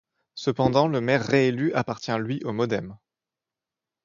Cependant, le maire réélu appartient, lui, au MoDem.